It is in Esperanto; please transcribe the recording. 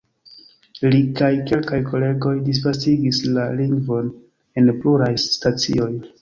Li kaj kelkaj kolegoj disvastigis la lingvon en pluraj stacioj.